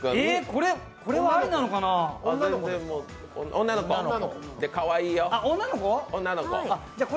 これはありなのかなあ。